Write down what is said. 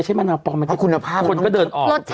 เขาบอกว่าแค่ฟ๑๙๗๐ปี